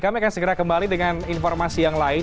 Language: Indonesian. kami akan segera kembali dengan informasi yang lain